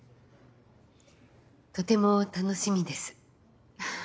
とても楽しみです。